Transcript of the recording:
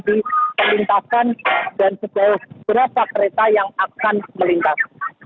dan sejauh berapa kereta yang akan melintas